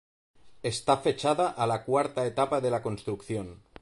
Está fechada a la cuarta etapa de la construcción.